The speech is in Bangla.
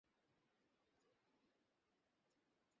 সেগুলোতে অনেক দ্বীপ আছে।